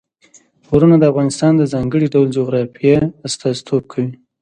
غرونه د افغانستان د ځانګړي ډول جغرافیه استازیتوب کوي.